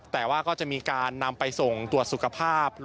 แต่ว่าก็จะมีการนำไปส่งตรวจสุขภาพ